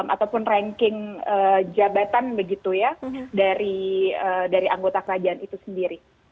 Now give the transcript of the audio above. ataupun ranking jabatan begitu ya dari anggota kerajaan itu sendiri